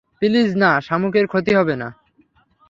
Please না, শামুকের ক্ষতি হবে।